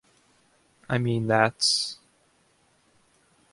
I mean that's...